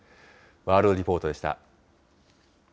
ワールドリポートでした。